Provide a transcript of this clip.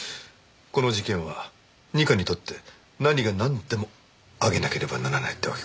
この事件は二課にとって何がなんでも挙げなければならないってわけか。